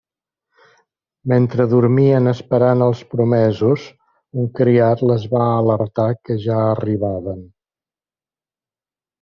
Mentre dormien esperant els promesos, un criat les va alertar que ja arribaven.